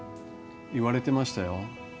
言われてましたよ